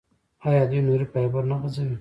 آیا دوی نوري فایبر نه غځوي؟